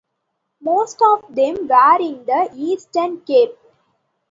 Most of them were in the Eastern Cape.